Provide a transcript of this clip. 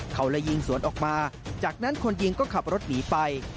เขาเลยยิงสวนออกมาจากนั้นคนยิงก็ขับรถหนีไป